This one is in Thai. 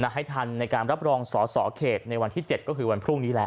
ให้ทันในการรับรองสอสอเขตในวันที่๗ก็คือวันพรุ่งนี้แหละ